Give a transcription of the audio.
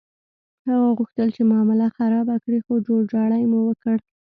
هغه غوښتل چې معامله خرابه کړي، خو جوړجاړی مو وکړ.